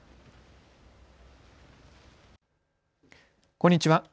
こんにちは。